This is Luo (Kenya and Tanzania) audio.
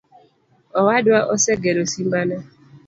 Owadwa osegero simba ne